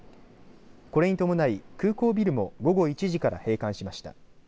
これに伴い空港ビルも午後１時から閉館しました。